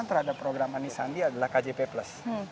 terhadap program anies sandi adalah kjp plus